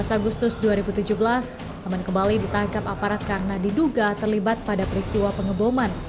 tujuh belas agustus dua ribu tujuh belas aman kembali ditangkap aparat karena diduga terlibat pada peristiwa pengeboman